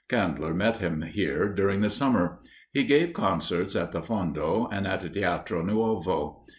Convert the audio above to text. Kandler met him here during the summer. He gave concerts at the Fondo, and at the Teatro Nuovo.